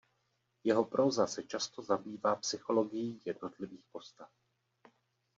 Jeho próza se často zabývá psychologií jednotlivých postav.